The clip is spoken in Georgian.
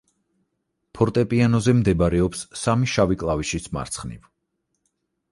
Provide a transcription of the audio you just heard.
ფორტეპიანოზე მდებარეობს სამი შავი კლავიშის მარცხნივ.